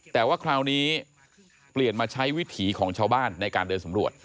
แต่ว่าคราวนี้เปลี่ยนมาใช้วิถีของชาวบ้านในการเดินสำรวจ